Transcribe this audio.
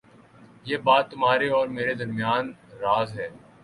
یہ بات تمہارے اور میرے درمیان راز ہے